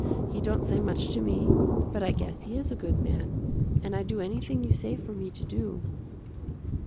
He don't say much to me, but I guess he is a good man, and I do anything you say for me to do."